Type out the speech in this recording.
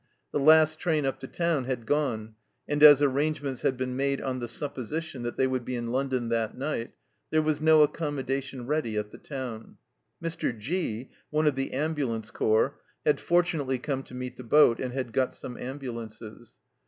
The last train up to town had gone, and as arrangements had been made on the supposition that they would be in London that night, there was no accommoda tion ready at the town. Mr. G , one of the ambulance corps, had fortunately come to meet the boat, and had got some ambulances.